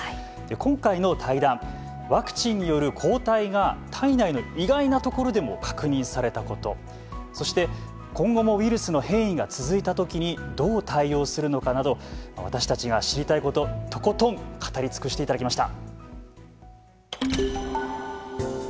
今回の対談ワクチンによる抗体が体内の意外なところでも確認されたことそして今後もウイルスの変異が続いたときにどう対応するのかなど私たちが知りたいこととことん語り尽くしていただきました。